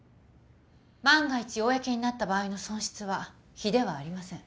万が一公になった場合の損失は比ではありません。